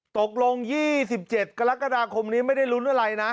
ตกลงยี่สิบเจ็ดกรกฎาคมนี้ไม่ได้รุ้นอะไรนะ